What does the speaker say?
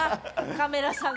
カメラさん。